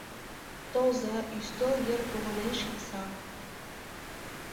— Толза, ӱстел йыр погынен шичса.